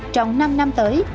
trong năm năm tới